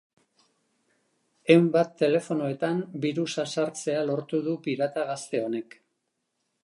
Ehun bat telefonoetan birusa sartzea lortu du pirata gazte honek.